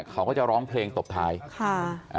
เขาก็จะร้องเพลงตบท้ายค่ะ